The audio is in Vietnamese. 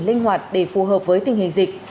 linh hoạt để phù hợp với tình hình dịch